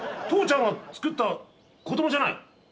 父ちゃんがつくった子供じゃない？